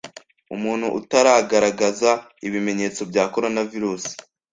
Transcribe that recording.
Umuntu utaragaragaza ibimenyetso bya coronavirus